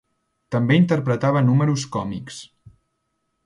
També interpretava números còmics.